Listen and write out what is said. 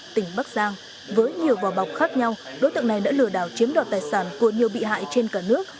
tỉnh bắc giang với nhiều vò bọc khác nhau đối tượng này đã lừa đảo chiếm đoạt tài sản của nhiều bị hại trên cả nước